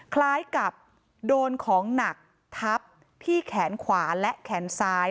คล้ายกับโดนของหนักทับที่แขนขวาและแขนซ้าย